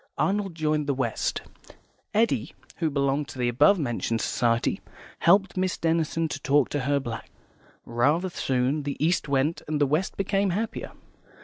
Arnold joined the West; Eddy, who belonged to the above mentioned society, helped Miss Denison to talk to her black. Rather soon the East went, and the West became happier.